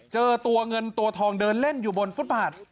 เจอตัวเงินตัวทองเดินเล่นอยู่บนฟุตบาท